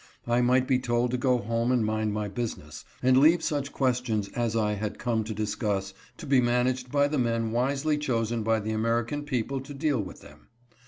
I might be told to go home and mind my business, and leave such questions as I had come to dis cuss to be managed by the men wisely chosen by the American people to deal with them.